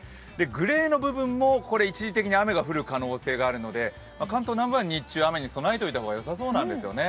グレーの部分も一時的に雨が降る可能性があるので、関東南部は日中、雨に備えておいた方がよさそうなんですよね。